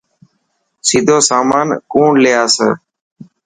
سيدو سامان ڪوڻ لي آسي.